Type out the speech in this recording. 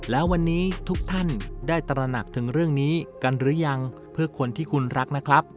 แล้ววันนี้ทุกท่านได้ตระหนักถึงเรื่องนี้กันหรือยังเพื่อคนที่คุณรักนะครับ